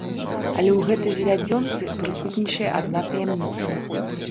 Але ў гэтай завядзёнцы прысутнічае адна таямніца.